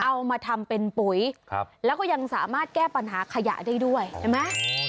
เอามาทำเป็นปุ๋ยแล้วก็ยังสามารถแก้ปัญหาขยะได้ด้วยเห็นไหม